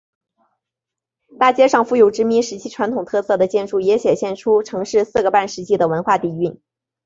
大街上富有殖民时期传统特色的建筑也显现出城市四个半世纪的文化底蕴。